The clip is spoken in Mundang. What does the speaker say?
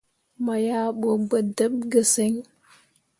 Mo yah ɓu gbǝ dǝɓ ge sǝŋ.